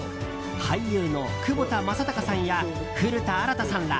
俳優の窪田正孝さんや古田新太さんら